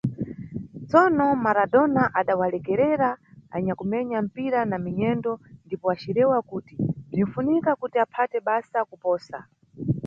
Tsono, Maradona, adawalekerera anyakumenya mpira na minyendo, ndipo acirewa kuti bzwinfunika kuti aphate basa kuposa.